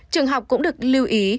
trường học cũng được lưu ý